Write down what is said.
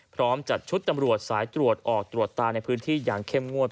พร้อมจัดชุดตำรวจสายตรวจออกตรวจตาในพื้นที่อย่างเข้มงวด